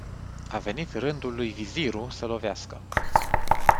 A venit rândul lui Viziru să lovească.